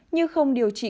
nhưng không điều trị